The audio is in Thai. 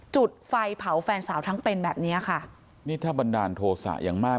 จุดไฟเผาแฟนสาวทั้งเป็นแบบเนี้ยค่ะนี่ถ้าบันดาลโทษะอย่างมาก